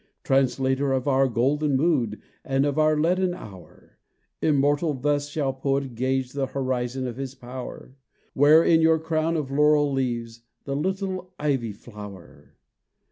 Translator of our golden mood, And of our leaden hour! Immortal thus shall poet gauge The horizon of his power. Wear in your crown of laurel leaves, The little ivy flower!